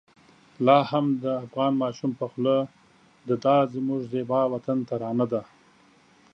لا هم د افغان ماشوم په خوله د دا زموږ زېبا وطن ترانه ده.